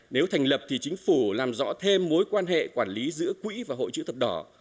nếu thành lập thì chính phủ làm rõ thêm mối quan hệ quản lý giữa quỹ và hội chữ thập đỏ